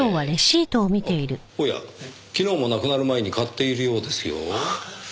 おや昨日も亡くなる前に買っているようですよ。